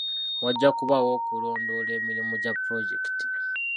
Wajja kubaawo okulondoola emirimu gya pulojekiti